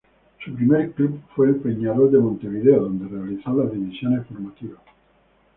Su primer club fue el Peñarol de Montevideo, donde realizó las divisiones formativas.